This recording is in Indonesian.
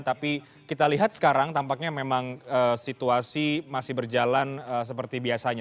tapi kita lihat sekarang tampaknya memang situasi masih berjalan seperti biasanya